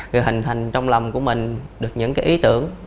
rồi hình thành trong lòng của mình được những cái ý tưởng